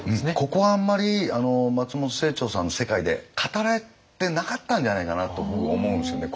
ここはあんまり松本清張さんの世界で語られてなかったんじゃないかなと僕思うんですよね